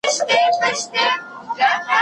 عربي ژبه ډيره واضحه ده.